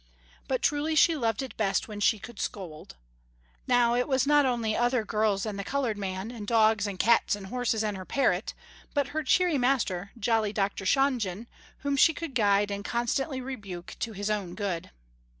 But truly she loved it best when she could scold. Now it was not only other girls and the colored man, and dogs, and cats, and horses and her parrot, but her cheery master, jolly Dr. Shonjen, whom she could guide and constantly rebuke to his own good.